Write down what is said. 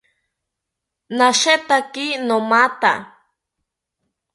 Nashetaki nomatha